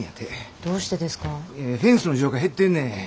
フェンスの需要が減ってんねん。